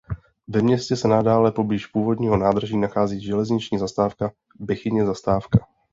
Ve městě se dále poblíž původního nádraží nachází železniční zastávka "Bechyně zastávka".